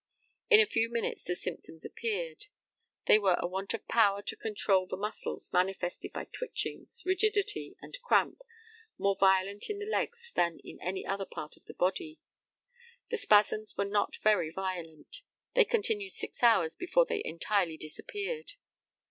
In a few minutes the symptoms appeared. They were a want of power to control the muscles, manifested by twitchings, rigidity, and cramp, more violent in the legs than in any other part of the body. The spasms were not very violent. They continued six hours before they entirely disappeared.